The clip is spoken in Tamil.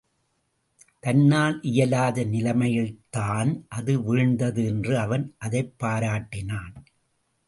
தன்னால் இயலாத நிலைமையில்தான் அது வீழ்ந்தது என்று அவன் அதைப் பாராட்டினான்.